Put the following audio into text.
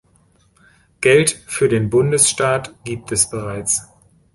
Geld für den Bundesstaat gibt es bereits.